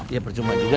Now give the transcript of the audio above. ya percuma juga